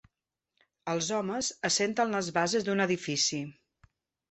Els homes assenten les bases d'un edifici.